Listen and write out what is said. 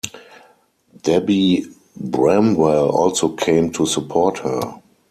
Debbie Bramwell also came to support her.